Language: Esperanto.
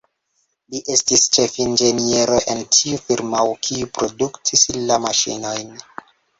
Li estis ĉefinĝeniero en tiu firmao, kiu produktis la maŝinojn.